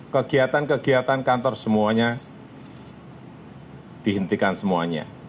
kegiatan kegiatan kantor semuanya dihentikan semuanya